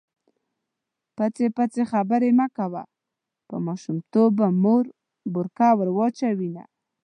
پخې پخې خبرې مه کړه_ په ماشومتوب به مور بورکه در واچوینه